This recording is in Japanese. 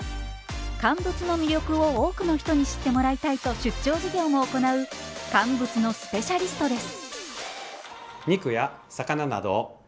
乾物の魅力を多くの人に知ってもらいたいと出張授業も行う乾物のスペシャリストです。